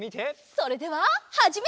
それでははじめ！